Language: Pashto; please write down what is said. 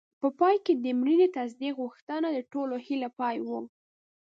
په پای کې د مړینې تصدیق غوښتنه د ټولو هیلو پای و.